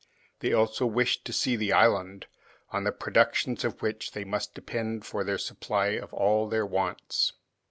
They also wished to see the island, on the productions of which they must depend for the supply of all their wants.